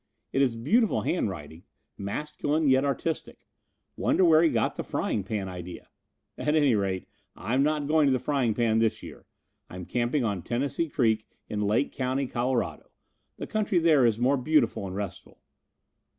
"It is beautiful handwriting, masculine yet artistic. Wonder where he got the Frying Pan idea? At any rate, I'm not going to the Frying Pan this year I'm camping on Tennessee Creek, in Lake County, Colorado. The country there is more beautiful and restful.